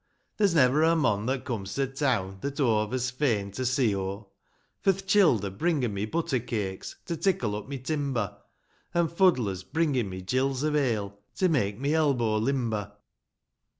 There's never a mon that comes to town They're hauve as fain to see, oh : For th' childer bring'n me butter cakes, To tickle up my timber ; An' fuddlers bring'n me gills of ale, To make my elbow limber